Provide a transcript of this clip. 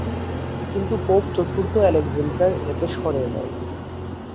কিন্তু পোপ চতুর্থ আলেক্সান্ডার এতে সায় দেননি।